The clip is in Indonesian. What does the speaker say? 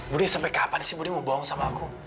budi sampai kapan sih budi mau bawang sama aku